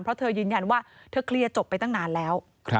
เพราะเธอยืนยันว่าเธอเคลียร์จบไปตั้งนานแล้ว